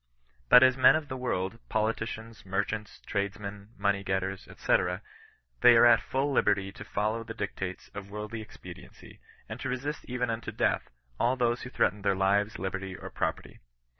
But as men of the world^ politicians, merchants, tradesmen, money getters, &c. they are at full liberty to follow the dictates of worldly expediency, and to resist even unto death all who threaten their lives, liberty, or property.